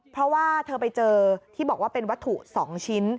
เพราะว่าเธอไปเจอที่บอกว่าเป็นวัตถุ๒ชิ้น